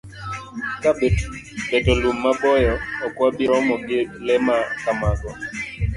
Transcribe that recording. Ka beto lum maboyo, ok wabi romo gi le ma kamago.